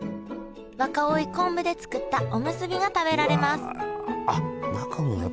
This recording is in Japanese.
若生昆布で作ったおむすびが食べられます